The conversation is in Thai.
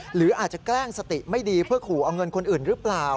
หรืออาจจะแกล้งสติไม่ดีเพื่อขู่เอาเงินคนอื่นหรือเปล่า